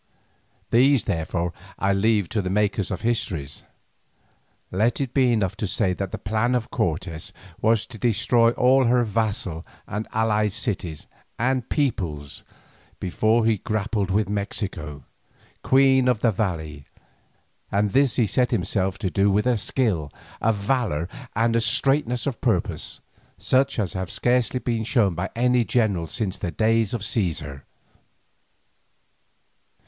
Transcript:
These, therefore, I leave to the maker of histories. Let it be enough to say that the plan of Cortes was to destroy all her vassal and allied cities and peoples before he grappled with Mexico, queen of the valley, and this he set himself to do with a skill, a valour, and a straightness of purpose, such as have scarcely been shown by a general since the days of Caesar.